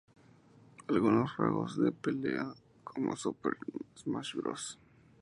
Algunos juegos de pelea como "Super Smash Bros.